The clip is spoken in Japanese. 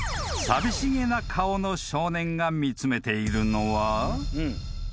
［寂しげな顔の少年が見つめているのは］